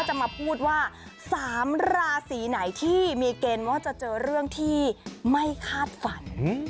จะมาพูดว่า๓ราศีไหนที่มีเกณฑ์ว่าจะเจอเรื่องที่ไม่คาดฝัน